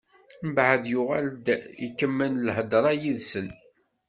Mbeɛd yuɣal-d ikemmel lhedṛa yid-sen.